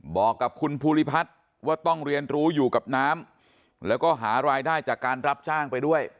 บอกกับคุณภูริพัฒน์ว่าต้องเรียนรู้อยู่กับน้ำแล้วก็หารายได้จากการรับจ้างไปด้วย